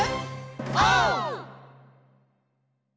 オー！